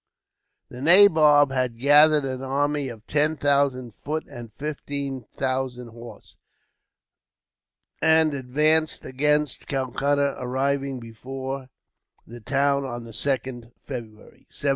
The nabob had gathered an army of ten thousand foot and fifteen thousand horse, and advanced against Calcutta, arriving before the town on the 2nd February, 1757.